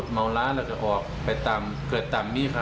ตัดทั้งนี้ดีค่ะ